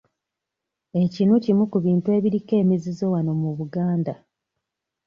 Ekinu kimu ku bintu ebiriko emizizo wano mu Buganda.